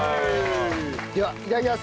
ではいただきます。